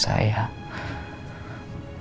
tidak ada yang mengundah saya